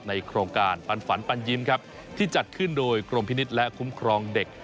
โครงการปันฝันปันยิ้มครับที่จัดขึ้นโดยกรมพินิษฐ์และคุ้มครองเด็ก